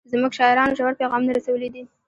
زموږ شاعرانو ژور پیغامونه رسولي دي.